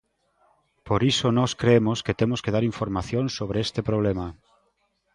Por iso nós cremos que temos que dar información sobre este problema.